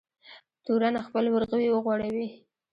تورن خپل ورغوی وغوړوی.